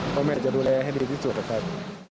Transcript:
พ่อแม่จะดูแลให้ดีที่สุดนะครับ